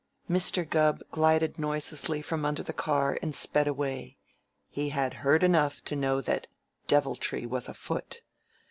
Mr. Gubb glided noiselessly from under the car and sped away. He had heard enough to know that deviltry was afoot.